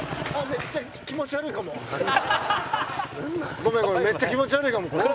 めっちゃ気持ち悪いかもこれ。